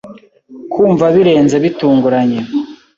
Kumva birenze bitunguranye